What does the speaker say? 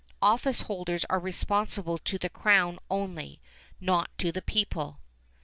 Officeholders are responsible to the Crown only, not to the people.